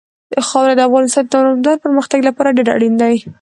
خاوره د افغانستان د دوامداره پرمختګ لپاره ډېر اړین دي.